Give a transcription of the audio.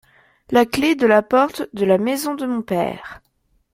La clé de la porte de la maison de mon père.